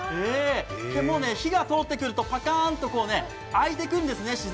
もう火が通ってくるとパカーンと開いてくるんですね。